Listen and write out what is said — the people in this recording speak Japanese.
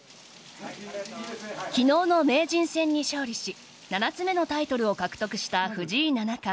昨日の名人戦に勝利し７つ目のタイトルを獲得した藤井七冠。